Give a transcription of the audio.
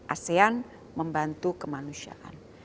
asean membantu kemanusiaan